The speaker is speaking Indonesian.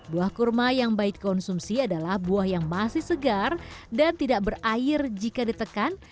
buah kurma yang baik dikonsumsi adalah buah yang masih segar dan tidak berair jika ditekan